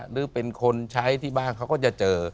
หรือเป็นคนใช้ที่บ้านเขาก็จะเจอ